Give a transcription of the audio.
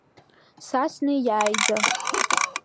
Са снеиаанӡа…